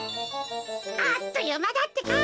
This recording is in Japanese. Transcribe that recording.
あっというまだってか。